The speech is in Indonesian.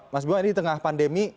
mas buwa ini di tengah pandemi